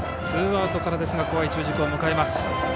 ツーアウトからですが怖い中軸を迎えます。